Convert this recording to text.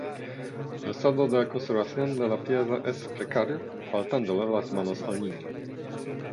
El estado de conservación de la pieza es precario, faltándole las manos al niño.